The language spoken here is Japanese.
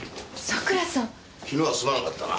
昨日はすまなかったな。